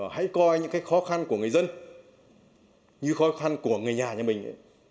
hãy coi những cái khó khăn của người dân như khó khăn của người nhà nhà mình